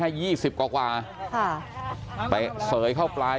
อายุแค่๒๐กว่า